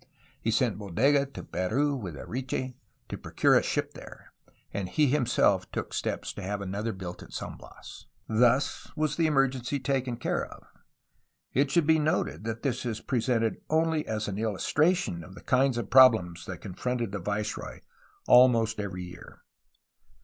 He sent Bodega to Peru with Areche to procure a ship there, and he himself took steps to have another built at San Bias. Thus 286 A HISTORY OF CALIFORNIA was the emergency taken care of, but it should be noted that this is presented only as an illustration of the kinds of problems that confronted the viceroy almost every year.